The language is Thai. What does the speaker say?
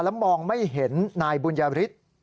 และมองไม่เห็นนายบุญยฤทธิ์